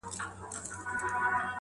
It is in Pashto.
هغه تعصب دی